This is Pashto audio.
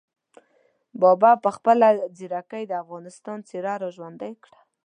بابا په خپله ځیرکۍ د افغانستان څېره را ژوندۍ کړه.